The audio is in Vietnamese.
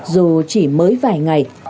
dù chỉ mới vài ngày